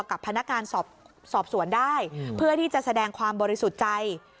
กับพนักงานสอบสวนได้เพื่อที่จะแสดงความบริสุทธิ์ใจ